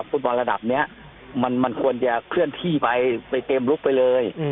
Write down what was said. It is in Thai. ฟุตบอลระดับนี้มันควรจะเคลื่อนที่ไปเต็มลุกไปเลย